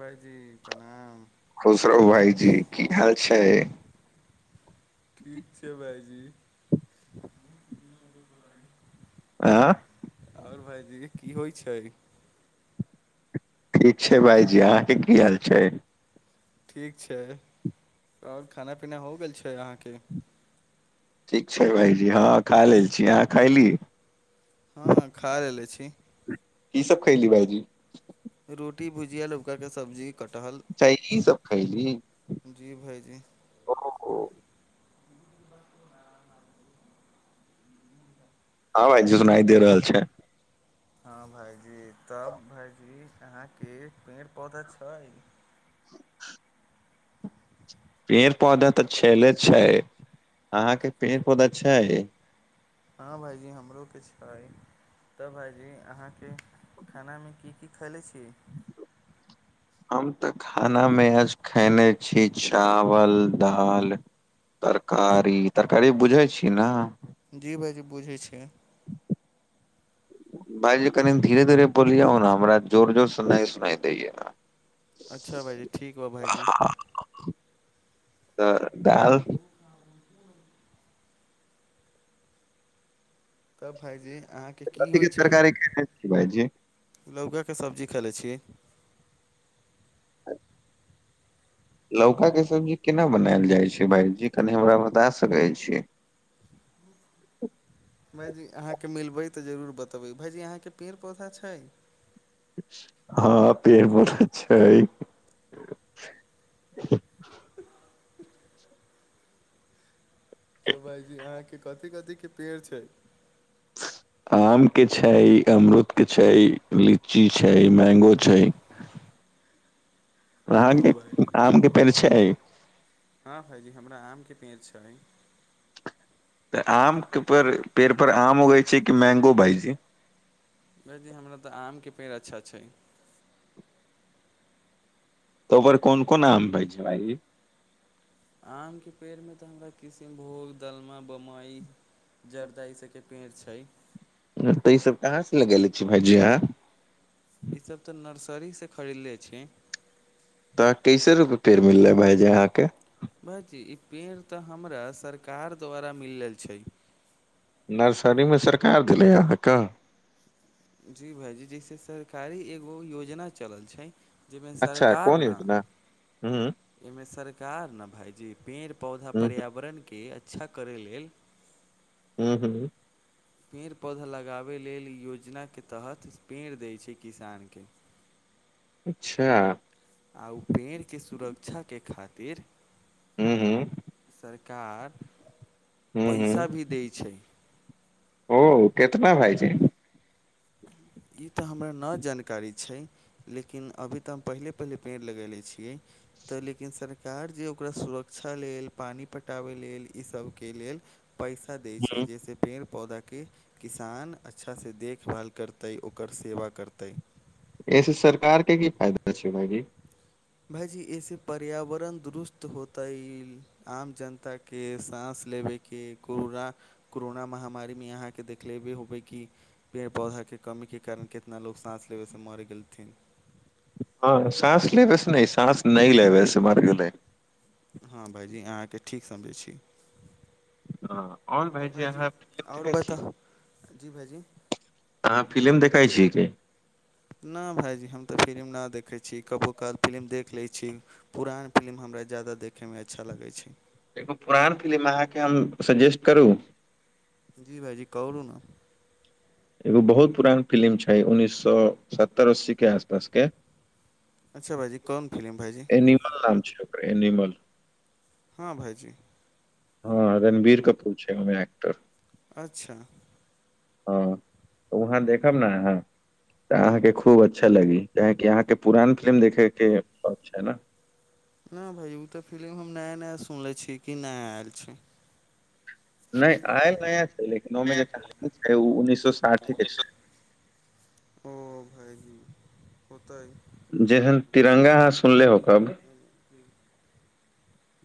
भाइजी प्रणाम। खुश रहू भाईजी की हाल छै। ठीक छै भाइजी। ऑ आओर भाईजी की होइ छै। ठीक छै भायजी अहाँ के की हाल छै। ठीक छै आओर खाना पीना हो गेल छै अहाँके। ठीक छै भायजी हँ खा ए छी अहाँ खली। हँ खा ले छी। की सब खयली भाईजी रोटी भुजिया लुबका के सब्जी कटहल। च चा ई सभ खाली। जी भाइजी। हँ भाइजी सुनाई दे रहल छै। हँ भाईजी तब भाईजी यहाँके पेड़ पौधा छै। [unintelligible] पेड़ पौधा तऽ छले छै अहाके पेड़ पौधा छै हँ भाइजी हमरो किछु करइ। तऽ भाइजी अहाँके खानामे की की ख लै छी। हम तऽ खानामे आज खयने छी चावल दालि। तरकारी तरकारी बुझै छी ने। जी भाइजी बुझैत छी। भायजी कनि धीरे धीरे बोलिय ओ ने हमरा जोर जोर सुना सुना दैय। अच्छा भाइजी ठीक हौ भाइजी। हँ तऽ दाल। [unintelligible] तब भाईजी अहाँके की कथी होइ के छै। तरकारी खेने छी भाईजी लौकाके सब्जी ख ले छी। आ। लौकाके सब्जी केना बनायल जाइत छै भायजी कनि हमरा बता सकैत छी। ह। भाइजी अहाँकेँ मिलबै तऽ जरूर बतबै भाइजी अहाँके पेड़ पौधा छै। हँ पेड़ पौड़ा छै। तठ। तऽ भाइजी अहाँके। के कथि कथि के पेड़ छै। आम के छै अमरूद के छै लीची छै मैगो छै। ओ अहाँके भायजी आम के पेड़ छै। हँ भाइजी हमरा आम के पेड़ छै। तऽ आमके पे पेड़ पर आम उगै छै कि मैंगो बाज जे। भजी हमरा तऽ आमके पेड़ अच्छा छै। तो ओकरर कोन कोन आम पहि छै भइ। आमके पेड़मे तऽ हमरा किसिमभोग दलमा बमबइ। जर्दा ई सबके पेड़ छै। तऽ ई सब कहाँ से लगेेले छी भाईजी अहाँ। ईसभ तऽ नर्सरी से खरीदले छी। तऽ कैसे रुपैए पेड़ मिललै भायजी अहाँके। भाइजी ई पेड़ तऽ हमरा सरकार द्वारा मिल छै। नर्सरीमे सरकार देलै अहाँके। जी भाइजी जैसे सरकारी एगो योजना चलल छै। जेमे अच्छा सरकार कोन ने। योजना हूँ इमे सरकार ने भायजी पेड़ पौधा हूँ पर्यावरण के। अच्छा करै लेल। हूँ हूँ। पेड़ पौधा लगाबै लेल योजनाके तहत पेड़ दैत छै किसानके। अच्छा। आ ओ पेड़के सुरक्षाके खातिर। हूँ हू। सरकार हूँ पैसा हूँ भी दै छै। ओ कितना भाय छै। ई तऽ हमरा नहि जानकारी छै। लेकिन अभी तऽ हम पहिले पहिले पेड़ लगयने छियै। तऽ लेकिन सरकार जे ओकरा सुरक्षा लेल पानि पटाबय लेल इसभके लेल। पैसा दै छै हूँ जाहिसँ पेड़ पौधाके किसान अच्छासँ देखभाल। करतै ओकर सेवा करतै। एहिऐसे सरकार के की फायदा छै भाइजी। भायजी ऐसे पर्यावरण दुरुस्त होत ह आम जनता। के साँस लेबैके कूड़रा। कोरोना महामारीमे अहाँके देखलेबे होबै कि। पेड़ पौधाके कमीके कारण कितना लोग साँस लेबैसँ मरे गेलथिन। हँ सास लेबैस नहि सास नहि लेबैस मार गेलै। हँ भाइजी अहाँकेँ ठीक समझै छी। हँ आउन तऽ भायज भाइजी अहाँ फिलम आओर देखै छी। बताउ जी भाइजी अहाँ फिलिम देखैत छिय की। नहि भायइजी हम तऽ फिलिम नहि देखैत छी कभो काल फिलिम देख लैत छी। पुरान फिलिम हमरा ज्यादा देखयमे अच्छा लगै छै। एगो पुरान फिलिम अहाँके हम सजेस्ट करू। जी भाइजी कह रहू ने। एगो बहुत पुरान फिलिम छै उन्नैस सए सत्तरि अस्सीके आसपासके। अच्छा भाजी कोन फिलम भाजी। एनिमल नाम छै एनिमल। हँ भाइजी। हँ रणबीर कपूर छै ओमे एक्टर। अच्छा। हँ तऽ वहाँ देखब ने अहाँ। तऽ अहाँके खूब अच्छा लगी काहि अहाँके पुरान फिल्म देखे के शौक छै ने। नहि भाय ओ तऽ फिलि्म हम नया नया सुनले छिय कि नया आयल छै। नहि आय नया छै लेकिन ओहिमे जे कहानी छै ओ उन्ननीस सए साठि के उन्नैस छै। सए ओ भाइजी होतै जसन तिरंगा अह सुनले हो कब।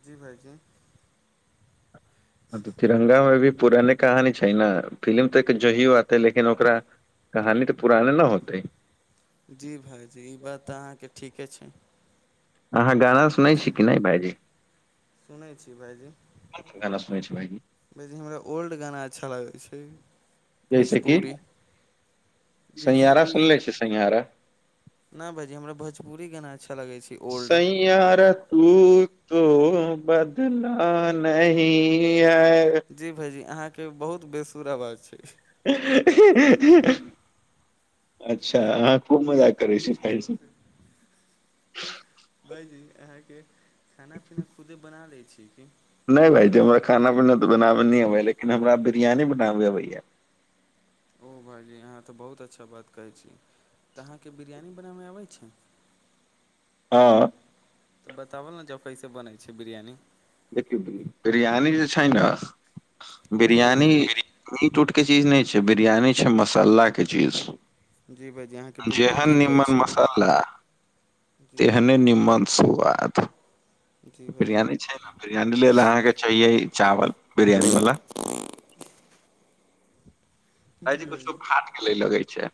जी भाइजी। तऽ तिरंगा मे भी पुराने कहानी छै ने फिलि्म तऽ एक जहिो आते लेकिन ओकरा। कहानी तऽ पुराने न होतै। जी भाइजी ई बात तऽ अहाँके ठीके छै। हहाँ गाना सुनाै छी की नहि भायजी। सुनै छी भाइजी। गाना सुनै छ भै कि। बी हमरा ओल्ड गाना अच्छा लगै छै भोजपुरी। जैसे सिघहारा कि सुन लै छियै सिघहारा। नहि भाजी हमरा भोजपुरी गाना अच्छा लगै छै। ओल्ड सयार तू तो बदला न। क है। जी भाइजी अहाँके बहुत बेसूर आवाज छै। अच्छा अ। खूब मजा करै छी फ। भाइजी अहाँके खाना पीना खुदे बना लै छी की। नहि भाइजी हमरा खाना पीना तऽ बनाबे न अबैय लेकिन हमरा बिरयानी बनाबे अबैया। ओ भाइजी अहाँ तऽ बहुत अच्छा बात कहै छी तऽ अहाँके बिरयानी बनाबैमे आबैत छै। [inaudible] आँ। तऽ बताबल ने जाउ कैसे बनै छै बिरयानी। देखियौ बिरयानी जे छै ने जी बिरयानी। भायजी मीट उट के चीज नहि छै बिरयानी छै मसालाक के चीज। जी भायजी अहाँके बिल्कुल जेहन ठीक कहै निमन छी मसाला। त जी हने भायजी निमत सुआद जी भायजी बिरयनी छै ने। बिरयानी लेल अहाँके चाहिये चावल बिरयानी वाला। कहै जी किुछो भायजी फाट के ले लगै छै।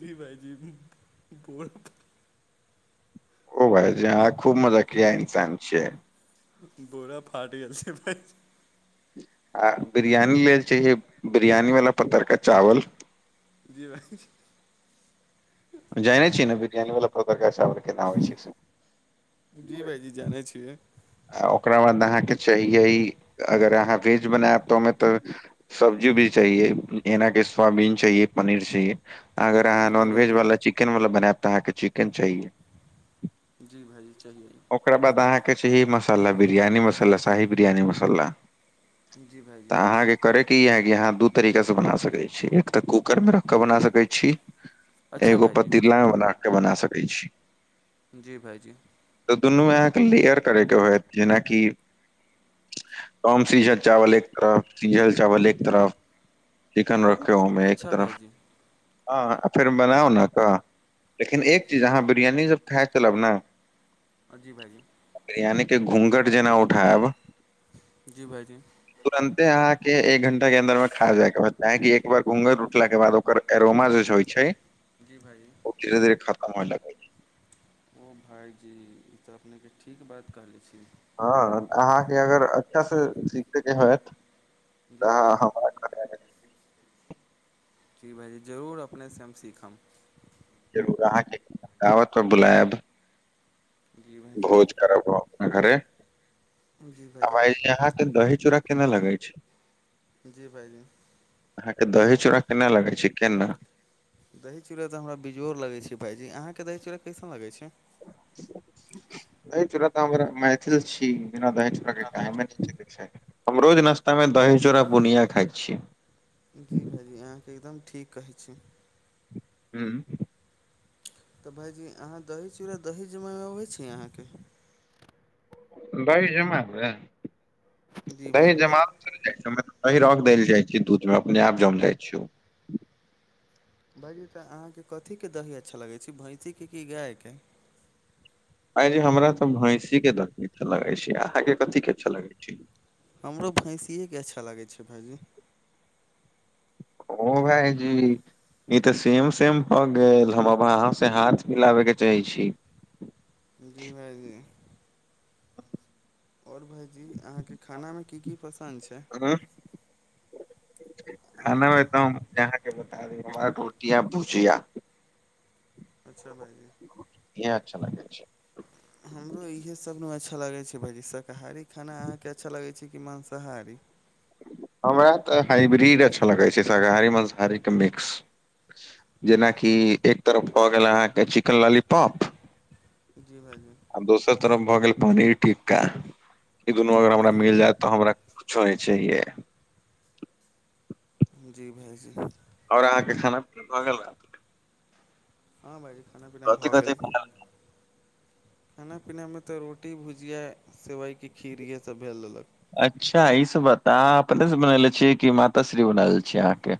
जी भाइजी बोरत। खूब भाइ जी अहाँ खूब मजकिया इन्सान छियै। बोरा फाट गेल छै भाइ। आ बिरयानी लेल चाहि बिरयानी वाला प्तरका चावल। जी भाइ। जानै छिय ने बिरियानी वला पतरका चावल केना होइ छै से। जी भाइजी जानै छियै। आ ओकरा बाद अहाँके चाहियै अगर अहाँ वेज बनायब तऽ ओहिमे तऽ। सब्जी भी चाहिए एना के सोयबीन चाहिए पनीर चाहिए। अगर अहाँ जी नॉनवेज भाइजी वा चिकेन वाला बनायब तऽहाँ के चिकेन चाहि। जी भाजी चाए। ओकरा बाद अहाँके ची मसाला बिरयानी मसाला शाही बिरयानी मसाला। जी तऽ भाइजी अहाँके। करे के इ है कि यहाँ दू तरीका से बना सकै छी एक तऽ कूकर मे रख क बना सकै छी। अच्छा एगो भाइजी पतीला बना क बना सकैत छी। जी भाइजी। दुनू अहाँके लेयर करयके होत जेनाकि। कम सीजल चावल एक तरफ सीझल चावल एक तरफ। किकनर गाव मे एक अच्छा तरफ़। भाइजी ह फेर बनाउ ने तऽ केन एक चीज अहाँ बिरियानी सब खा तब लब ना। जी भाइजी। बिरियानी के घुँघट जेना उठायब। जी भाइजी। तुरन्ते अहाँके एक घण्टा के अन्दर मे खा जायके रहत अहाँ केँ एक बार घुँघट उटलाक के बाद ओकर। करोमा जेस होइ छै। जी भाइ। धीरे-धीरे खतम होई लागल। ओ भाइजी ई तऽ अपनेके ठीक बात कहले छी। हँ अहाँके अगर अच्छासँ सीखयके होत। जी भाइजी। ठीक भाइजी, जरूर अपनेसँ हम सीखब। जरूर अहाँके दावत पर बुलायब। जी भाइजी भोज करब हम अपना घरे जी भाइजी हवाई जहाज। दही चूरा केना लागे छै। जी भाइजी। अहाँके दही चूड़ा केना लागे छै, केना। दही चूड़ा तऽ हमरा बेजोड़ लगै छै भायजी अहाँके दही चूड़ा कैसन लगै छै। अय चोरा तऽ हमरा मैथिल छी। जेना दही चूड़ाके कामे जी नहि छै हम रोज नाश्तामे दही चूड़ा बुनिया खाइ छियै। जी भाइ जी अहाँके एकदम ठीक कहैत छी। हुँ। तऽ भाइजी अहाँ दही चूड़ा, दही जमा अबैत छी अहाँकेँ। दही जमाल जी दही भाइजी जमाउ। देल कमे अय रंग देल जाइ छो दूध मे अपने आप जम जाइ छो। भायइजी तऽ अहाँके कथीके दही अच्छा लगैत छै भैँसीके कि गायके। आय जे हमरा तऽ भैंसी के द लगे छै अहाके कथी के अच्छा लगे छै। हमरो भैंसिके अच्छा लागै छै, भाइजी। ओ भाइ जी। ई तऽ सेम-सेम भऽ गेल, हम आब अहाँ से हाथ मिलाबै के चाहै छी। जी भाइ जी। आओर भाइजी अहाँके खानामे की-की पसन्द छै। अहाँ खाना मे तऽ हम अहाँकेँ। बता द हमरा रोटिया-पूछिया। अच्छा भाइजी। इहे अच्छा लागे छै। हमरो इएहे सभमे अच्छा लगै छै। भाइ जी शाकाहारी खाना अहाँके अच्छा लगै छै कि माँसाहारी। हमरा तऽ हाइब्रिड अच्छा लगै छै। शाकाहारी-मासाहारीके मिक्स। जेनाकि एक तरफ भऽ गेल अहाँके चिकेन लॉालीपॉप। जी भायजी। आ दोसर तरफ भए गेल पनीर टिक्का ई दुनू अगर हमरा जी मिल जायत तो भाइजी हमरा कुछो। छैए। भ छै। आओर अहाँके खाना पीना भऽ गेल रहत। हँ भाजी खाना पीना कथि भऽ कथि गेल। खाना पीनामे तऽ रोटी भुजिया सेवइके खीर इएहे सभ भेल लेलक। अच्छा ईसभ बात अहाँ अपनेसँ बननेे छियै कि माताश्री बनल छिय अहाँके।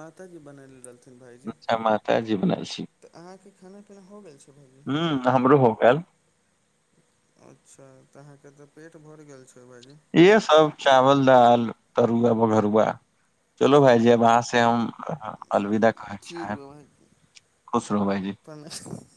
माताजी बनैले रहलथिन अचा मात जी बनल छी। आहके खाना पिन भ गेल छै ह हमरो हो गेल अच्छा तऽ अहा के त पेट भर गेल छै। भाइजी यह सभ चावल दाल तरुआ बघरुआ। चलो भायजीब वहाँ से हम अलविदा। कहय चाहब ठीकीक खुश रहू ग भाईजी प।